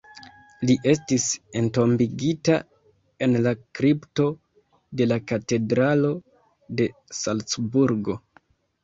Li estis entombigita en la kripto de la Katedralo de Salcburgo.